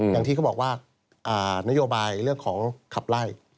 อย่างที่เขาบอกว่านโยบายเรื่องของขับไล่